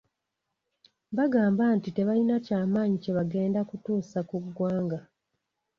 Bagamba nti tebalina ky’amaanyi kye bagenda kutuusa ku ggwanga.